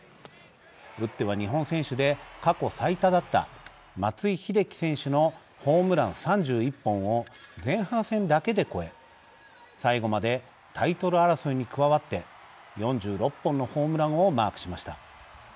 打っては、日本選手で過去最多だった松井秀喜選手のホームラン３１本を前半戦だけで超え最後までタイトル争いに加わって４６本のホームランをマークしました。